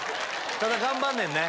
ただ頑張んねんね。